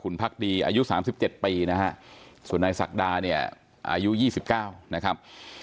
ขุ่นผักดีอายุ๓๗ปีนะฮะส่วนอันดิสักราดเนี่ยอายุ๒๙นะครับ